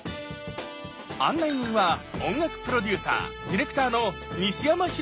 案内人は音楽プロデューサーディレクターの西山宏明さん。